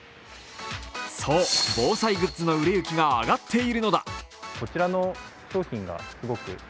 そう、防災グッズの売れ行きが上がっているのだ。